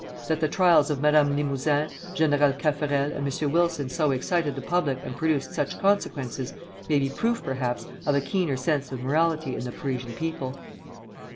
That the trials of Madame Limouzin, General Caffarel, and M. Wilson so excited the public and produced such consequences, may be proof, perhaps, of a keener sense of morality in the Parisian people.